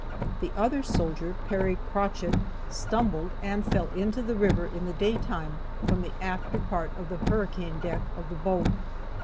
The other soldier, Perry Crochett, stumbled and fell into the river in the day time, from the after part of the hurricane deck of the boat.